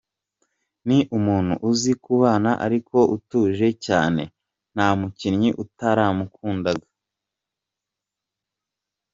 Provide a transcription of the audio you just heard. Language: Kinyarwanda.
Ni umuntu uzi kubana ariko utuje cyane, nta mukinnyi utaramukundaga.